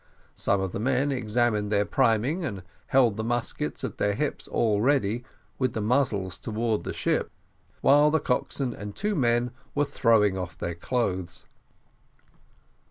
Some of the men examined their priming and held the muskets at their hips all ready, with the muzzles towards the ship, while the coxswain and two men were throwing off their clothes.